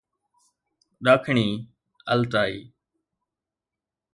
ڏاکڻي Altai